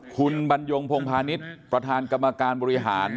คุณบัญลงพงภนิทรประทานกรรมการบริหาร